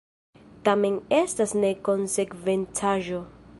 Tamen estas nekonsekvencaĵo.